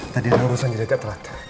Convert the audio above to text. tadi ada urusan jadi agak telat